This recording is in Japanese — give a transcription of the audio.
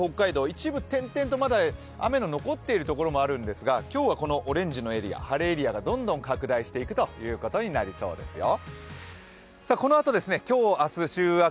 一部点々と、まだ雨の残っている所もあるんですが、今日はこのオレンジのエリア晴れエリアがどんどん拡大していくということになりそうですよ。